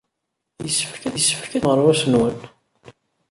Yessefk ad terrem amerwas-nwen.